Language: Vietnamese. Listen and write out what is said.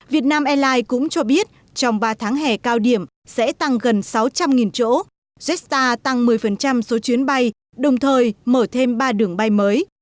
việt nam airlines cũng cho biết trong ba tháng hè cao điểm sẽ tăng gần sáu trăm linh chỗ jetstar tăng một mươi số chuyến bay đồng thời mở thêm ba đường bay mới